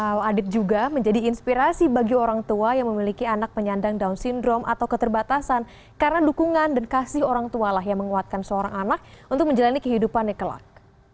wow adit juga menjadi inspirasi bagi orang tua yang memiliki anak penyandang down syndrome atau keterbatasan karena dukungan dan kasih orang tualah yang menguatkan seorang anak untuk menjalani kehidupan yang kelak